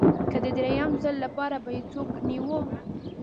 که د درېیم ځل لپاره به یې څوک نیوه